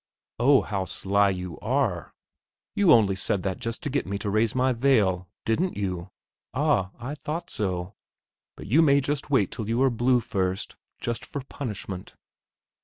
"Oh, how sly you are; you only said that just to get me to raise my veil, didn't you? Ah, I thought so; but you may just wait till you are blue first ... just for punishment."